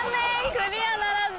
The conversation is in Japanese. クリアならずです。